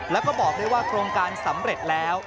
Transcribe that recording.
แล้วก็บอกด้วยว่าโครงการสำเร็จแล้ว